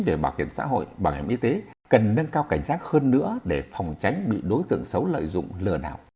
về bảo hiểm xã hội bảo hiểm y tế cần nâng cao cảnh giác hơn nữa để phòng tránh bị đối tượng xấu lợi dụng lừa đảo